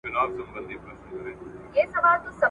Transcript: زموږ خپله بې تفاوتي ده